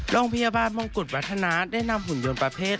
โรงพยาบาลมงกุฎวัฒนาได้นำหุ่นยนต์ประเภท